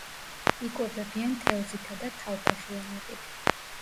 იკვებებიან თევზითა და თავფეხიანებით.